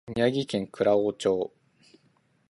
宮城県蔵王町